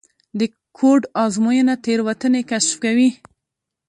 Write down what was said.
د کوډ ازموینه تېروتنې کشف کوي.